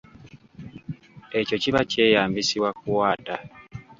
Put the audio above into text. Ekyo kiba kyeyambisibwa kuwaata.